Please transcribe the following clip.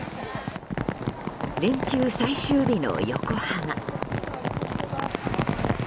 連休最終日の横浜。